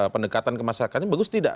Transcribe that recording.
pendekatan ke masyarakatnya bagus tidak